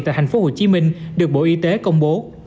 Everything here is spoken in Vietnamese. tại tp hcm được bộ y tế công bố